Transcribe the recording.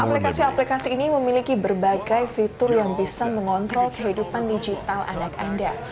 aplikasi aplikasi ini memiliki berbagai fitur yang bisa mengontrol kehidupan digital anak anda